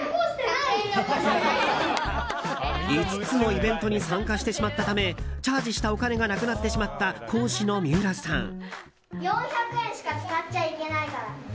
５つのイベントに参加してしまったためチャージしたお金がなくなってしまった講師の三浦さん。